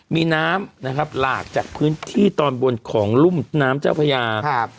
มีน้ำนะครับหลากจากพื้นที่ตอนบนของรุ่มน้ำเจ้าพญาครับ